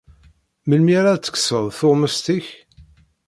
Melmi ara ad tekkseḍ tuɣmest-ik?